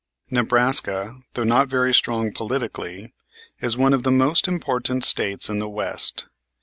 Nebraska, though not very strong politically, is one of the most important States in the West.